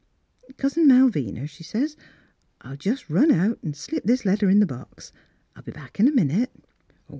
"' Cousin Malvina,' she says, ' I'll just run out an' slip this letter in the box. I'll be back in a minute.'